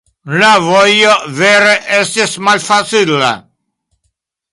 La vojo vere estis malfacila.